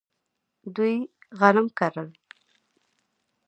دوی غنم کرل.